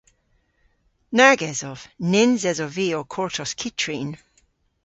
Nag esov. Nyns esov vy ow kortos kyttrin.